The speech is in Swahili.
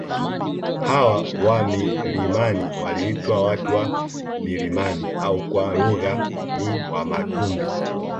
Hawa wa milimani waliitwa watu wa milimani au kwa lugha ni wamatumbi